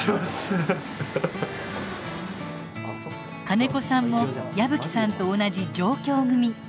金子さんも矢吹さんと同じ上京組。